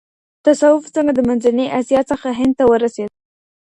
تصوف څنګه د منځنۍ اسیا څخه هند ته ورسېد؟